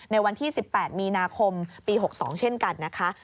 ในวันที่๑๘มีนาคมปี๖๒เช่นกันนะคะ